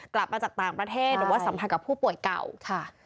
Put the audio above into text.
กลับมาจากต่างประเทศหรือว่าสัมผัสกับผู้ป่วยเก่าค่ะ